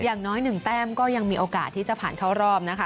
อย่างน้อย๑แต้มก็ยังมีโอกาสที่จะผ่านเข้ารอบนะคะ